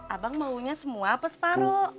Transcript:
abang maunya semua apa separuh